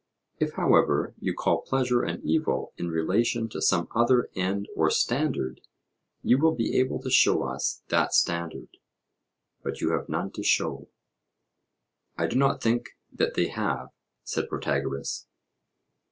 If, however, you call pleasure an evil in relation to some other end or standard, you will be able to show us that standard. But you have none to show.' I do not think that they have, said Protagoras.